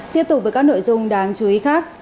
tiếp tục với các nội dung đáng chú ý khác